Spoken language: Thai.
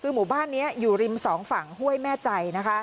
หมู่บ้านนี้อยู่ริมสองฝั่งห้วยแม่ใจ